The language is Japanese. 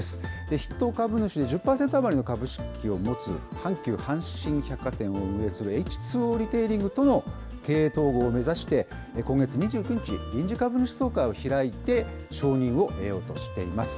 筆頭株主、１０％余りの株式を持つ阪急阪神百貨店を運営する、エイチ・ツー・オーリテイリングとの経営統合を目指して今月２９日、臨時株主総会を開いて、承認を得ようとしています。